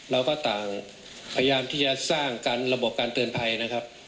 เราก็ต่างพยายามที่จะสร้างการระบบการเตือนภัยนะครับ